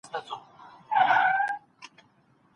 له بېديني ښځي سره نکاح مه کوئ.